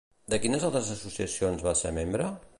De quines altres associacions va ser membre?